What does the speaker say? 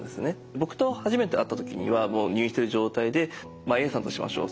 僕と初めて会った時にはもう入院してる状態でまあＡさんとしましょう。